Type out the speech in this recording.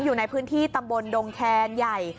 อยู่ในพื้นที่ตำบลดงแคนใหญ่